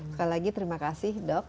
sekali lagi terima kasih dok